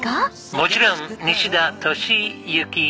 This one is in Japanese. もちろん西田敏ゆき。